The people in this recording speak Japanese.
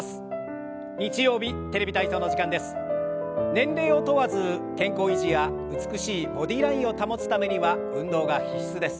年齢を問わず健康維持や美しいボディーラインを保つためには運動が必須です。